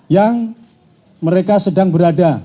yang mereka sedang berada